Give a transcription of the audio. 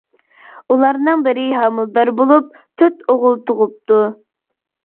ئۇلارنىڭ بىرى ھامىلىدار بولۇپ، تۆت ئوغۇل تۇغۇپتۇ.